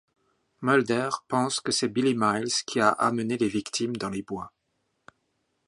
Mulder pense que c'est Billy Miles qui a amené les victimes dans les bois.